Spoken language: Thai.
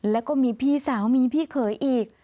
แล้วก็มีพี่สาวมีพี่เขยอีก